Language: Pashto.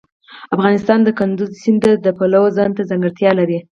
افغانستان د کندز سیند د پلوه ځانته ځانګړتیا لري.